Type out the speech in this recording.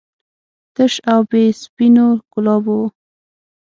تش او بې سپینو ګلابو و.